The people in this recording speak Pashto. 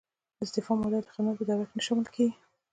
د استعفا موده د خدمت په دوره کې نه شمیرل کیږي.